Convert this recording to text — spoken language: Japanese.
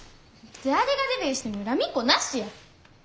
誰がデビューしても恨みっこなしや。